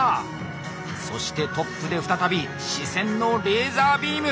そしてトップで再び視線のレーザービーム！